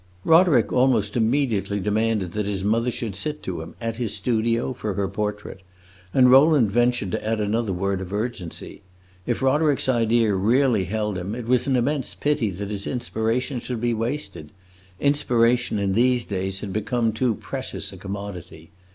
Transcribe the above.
Roderick almost immediately demanded that his mother should sit to him, at his studio, for her portrait, and Rowland ventured to add another word of urgency. If Roderick's idea really held him, it was an immense pity that his inspiration should be wasted; inspiration, in these days, had become too precious a commodity.